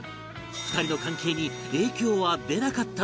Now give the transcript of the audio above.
２人の関係に影響は出なかったのか？